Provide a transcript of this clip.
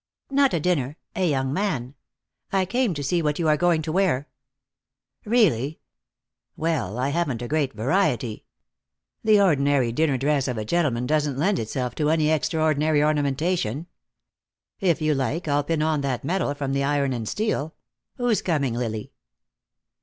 "Not a dinner. A young man. I came to see what you are going to wear." "Really! Well, I haven't a great variety. The ordinary dinner dress of a gentleman doesn't lend itself to any extraordinary ornamentation. If you like, I'll pin on that medal from the Iron and Steel Who's coming, Lily?"